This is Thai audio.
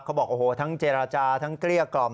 เขาบอกโอ้โหทั้งเจรจาทั้งเกลี้ยกล่อม